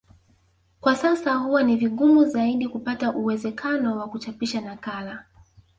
Kwa sasa huwa ni vigumu zaidi kupata uwezekano wa kuchapisha nakala